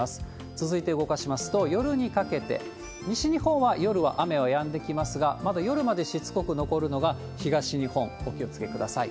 続いて動かしますと、夜にかけて、西日本は夜は雨はやんできますが、まだ夜までしつこく残るのが東日本、お気をつけください。